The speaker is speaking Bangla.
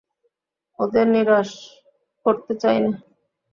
ওদের নিরাশ করতে চাই নে।